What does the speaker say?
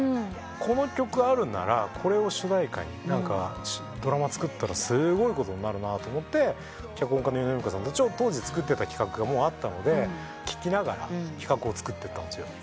この曲あるならこれを主題歌にドラマ作ったらすごいことになるなと思って脚本家の井上由美子さんと当時作ってた企画がもうあったので聴きながら企画を作ってったんですよ。